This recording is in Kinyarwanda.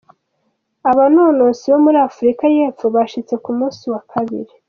Abanonotsi bo muri Afruka y'epfo bashitse ku musi wa kabiri.